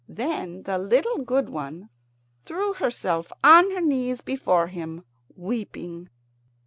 Then the little good one threw herself on her knees before him, weeping.